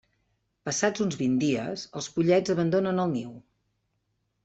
Passats uns vint dies, els pollets abandonen el niu.